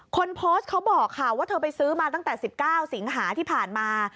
คนโพสต์เขาบอกค่ะว่าเธอไปซื้อมาตั้งแต่๑๙สิงหาที่ผ่านมา